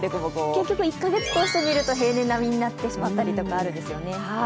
結局１か月通してみると平年並みになってしまったりとかあるんですよね。